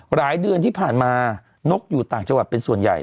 หลายเดือนที่ผ่านมานกอยู่ต่างจังหวัดเป็นส่วนใหญ่